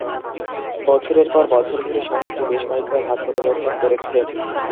বছরের পর বছর ধরে, শহরটি বেশ কয়েকবার হাত পরিবর্তন করেছে।